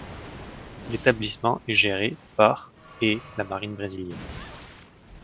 L'établissement est géré par et la Marine brésilienne.